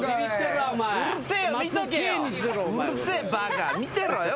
うるせえバカ見てろよ